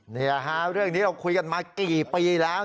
นี่แหละฮะเรื่องนี้เราคุยกันมากี่ปีแล้ว